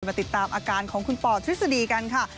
มาติดตามอาการของคุณปอทฤษฎีกันค่ะ